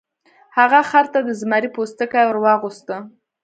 هغه خر ته د زمري پوستکی ور واغوسته.